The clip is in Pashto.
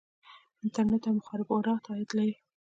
انټرنیټ او مخابرات عاید لري